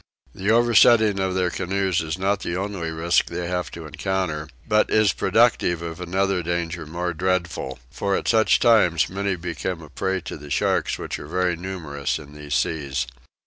The oversetting of their canoes is not the only risk they have to encounter, but is productive of another danger more dreadful; for at such times many become a prey to the sharks which are very numerous in these seas.